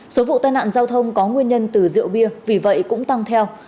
số vụ tai nạn giao thông có nguyên nhân từ rượu bia vì vậy cũng tăng theo